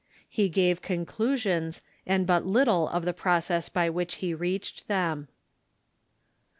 He gave conclusions, and but little of the process by which he reached them.